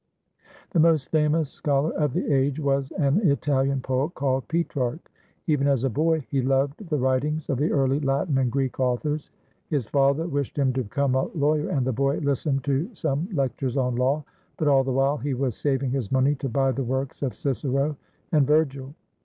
The most famous scholar of the age was an Italian poet called Petrarch. Even as a boy he loved the writ ings of the early Latin and Greek authors. His father wished him to become a lawyer, and the boy listened to some lectures on law; but all the while he was saving his money to buy the works of Cicero and Virgil.